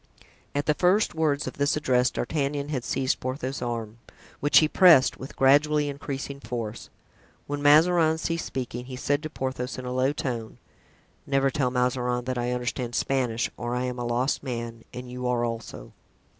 (At the first words of this address D'Artagnan had seized Porthos's arm, which he pressed with gradually increasing force. When Mazarin ceased speaking he said to Porthos in a low tone: "Never tell Mazarin that I understand Spanish, or I am a lost man and you are also."